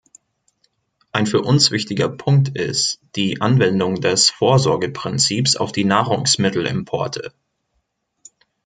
Ein für uns wichtiger Punkt ist die Anwendung des Vorsorgeprinzips auf die Nahrungsmittelimporte.